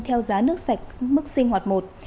theo giá nước sạch mức sinh hoạt một